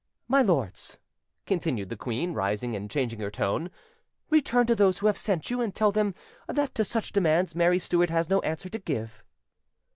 My lords," continued the queen, rising and changing her tone, "return to those who have sent you, and tell them that to such demands Mary Stuart has no answer to give."